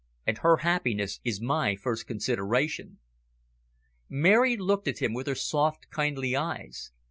And her happiness is my first consideration." Mary looked at him with her soft, kindly eyes.